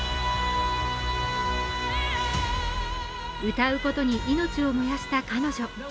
歌うことに命を燃やした彼女。